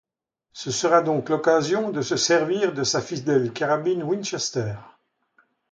Ce sera donc l'occasion de se servir de sa fidèle carabine Winchester...